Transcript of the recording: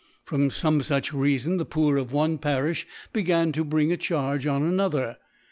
From (bme fuch Rca* fon, the Poor of ohc Pkrifli began to bring a Charge on another.